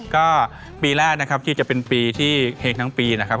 ก็ปีแรกนะครับที่จะเป็นปีที่เฮงทั้งปีนะครับ